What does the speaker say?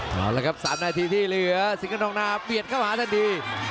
เอาละครับ๓นาทีที่เหลือสิงคณองนาเบียดเข้าหาทันที